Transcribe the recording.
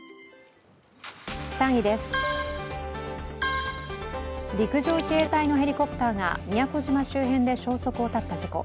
３位です、陸上自衛隊のヘリコプターが宮古島周辺で消息を絶った事故。